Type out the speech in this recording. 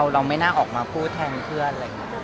เราไม่น่าออกมาพูดแทนเพื่อนอะไรอย่างนี้